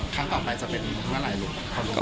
ข้างต่อไปจะเป็นเมื่อไหร่หรือ